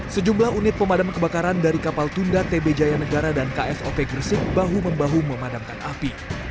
sejumlah unit pemadam kebakaran dari kapal tunda tb jaya negara dan ksop gresik bahu membahu memadamkan api